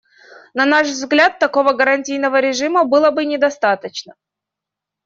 На наш взгляд, такого гарантийного режима было бы недостаточно.